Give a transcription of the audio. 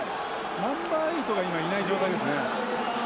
ナンバー８が今いない状態ですね。